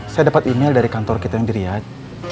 saya dapet email dari kantor kita yang diriat